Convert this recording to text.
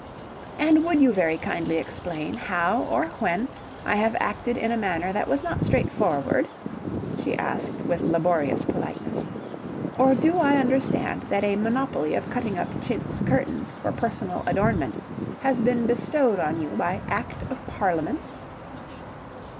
"And would you very kindly explain how or when I have acted in a manner that was not straightforward," she asked with laborious politeness. "Or do I understand that a monopoly of cutting up chintz curtains for personal adornment has been bestowed on you by Act of Parliament?"